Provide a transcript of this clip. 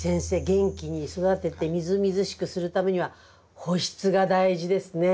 元気に育ててみずみずしくするためには保湿が大事ですね。